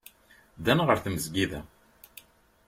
Ddan ɣer tmesgida.